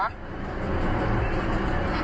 ตอนนี้ก็เปลี่ยนแบบนี้แหละ